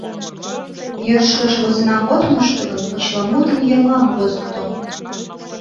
Йӧршеш возенак от мошто гын, почеламутым еҥлан возыкто.